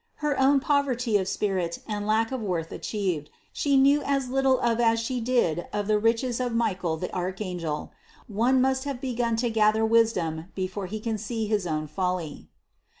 Her own poverty of spirit and lack of worth achieved, she knew as little of as she did of the riches of Michael the archangel. One must have begun to gather wisdom before he can see his own folly.